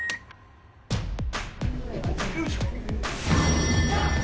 よいしょ。